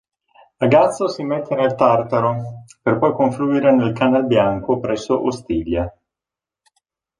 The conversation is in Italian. A Gazzo si immette nel Tartaro per poi confluire nel Canalbianco presso Ostiglia.